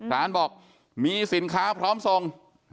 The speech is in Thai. ร้านบอกมีสินค้าพร้อมส่ง